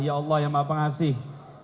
ya allah yang maha pengasih